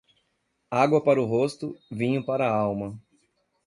Água para o rosto, vinho para a alma.